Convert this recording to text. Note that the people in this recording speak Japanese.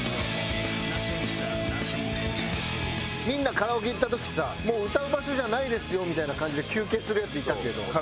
みんなカラオケ行った時さもう歌う場所じゃないですよみたいな感じで休憩するヤツいたけど。